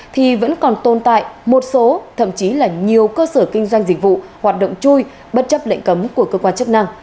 thì vẫn còn tồn tại một số thậm chí là nhiều cơ sở kinh doanh dịch vụ hoạt động chui bất chấp lệnh cấm của cơ quan chức năng